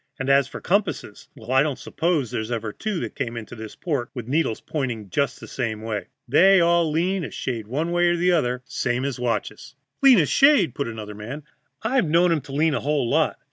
And as for compasses well, I don't suppose there's ever two that came into this port with needles pointing just the same way. They all lean a shade one way or the other, same as watches." "Lean a shade!" put in another man. "I've known 'em to lean a whole lot.